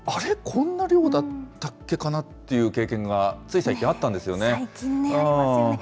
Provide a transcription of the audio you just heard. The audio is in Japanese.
こんな量だったっけかなっていう経験がつい最近、最近ね、ありますよね。